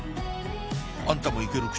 あんたもいける口？